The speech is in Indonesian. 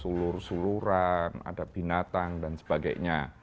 sulur suluran ada binatang dan sebagainya